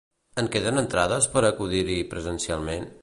En queden entrades per a acudir-hi presencialment?